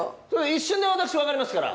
一瞬で私分かりますから。